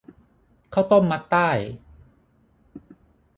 ข้าวต้มมัดไต้